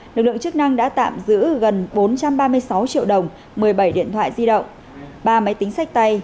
lực lượng chức năng đã tạm giữ gần bốn trăm ba mươi sáu triệu đồng một mươi bảy điện thoại di động ba máy tính sách tay